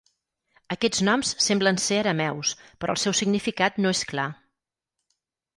Aquests noms semblen ser arameus, però el seu significat no és clar.